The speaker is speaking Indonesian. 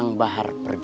nah itu langsung